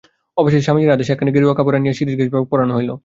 অবশেষে স্বামীজীর আদেশে একখানি গেরুয়া কাপড় আনাইয়া গিরিশবাবুকে পরান হইল।